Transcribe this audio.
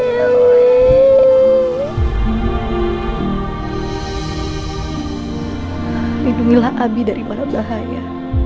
lindungilah abi dari para bahaya